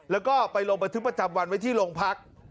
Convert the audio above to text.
แล้วก็ไปลงบันทึกประจำวันไว้ที่โรงพัก